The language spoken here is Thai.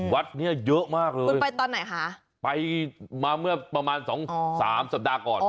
วัดเนี้ยเยอะมากเลยคุณไปตอนไหนคะไปมาเมื่อประมาณสองสามสัปดาห์ก่อน